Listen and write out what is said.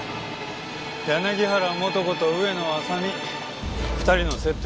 柳原元子と上野亜沙美２人の接点は？